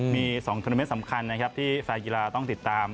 มี๒ทวนาเมนต์สำคัญนะครับที่แฟนกีฬาต้องติดตาม